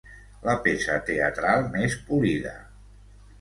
La peça teatral més polida.